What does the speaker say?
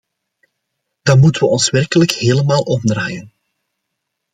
Dan moeten we ons werkelijk helemaal omdraaien.